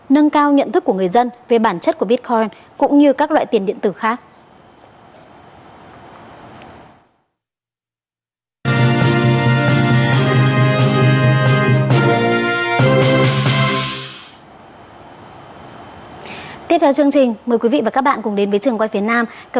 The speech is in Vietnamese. nâng cao nhận thức của người dân về bản chất của bitcoin cũng như các loại tiền điện tử khác